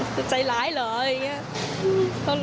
จะใจร้ายเหรออะไรอย่างนี้